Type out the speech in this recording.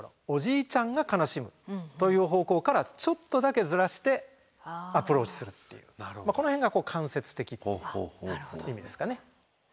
おじいちゃんが悲しむという方向からちょっとだけずらしてアプローチするっていうこの辺が間接的っていう意味ですかね。